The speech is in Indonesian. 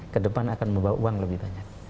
kedepan akan membawa uang lebih banyak